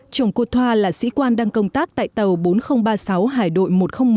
chồng cụ thoa là sĩ quan đang công tác tại tàu bốn nghìn ba mươi sáu hải đội một trăm linh một